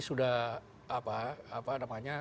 sudah apa apa namanya